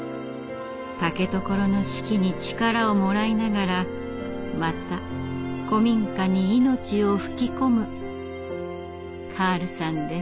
竹所の四季に力をもらいながらまた古民家に命を吹き込むカールさんです。